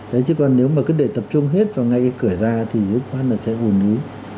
đấy chứ còn nếu mà cứ để tập trung hết vào ngay cái cửa ra thì cơ quan là sẽ hùn dữ